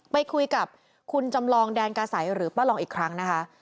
ไปคุยกับคุณจำลองแดนกาสัยหรือป้าลองอีกครั้งนะคะ